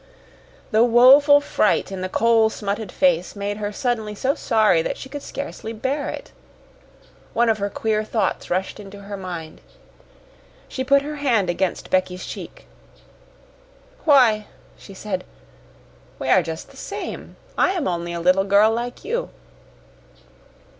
The woeful fright in the coal smutted face made her suddenly so sorry that she could scarcely bear it. One of her queer thoughts rushed into her mind. She put her hand against Becky's cheek. "Why," she said, "we are just the same I am only a little girl like you.